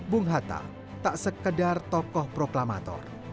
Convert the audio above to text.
bung hatta tak sekedar tokoh proklamator